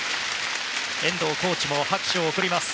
遠藤コーチも拍手を送ります。